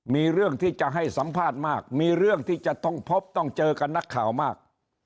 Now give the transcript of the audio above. มีเรื่องที่จะให้สัมภาษณ์มากมีเรื่องที่จะต้องพบต้องเจอกับนักข่าวมาก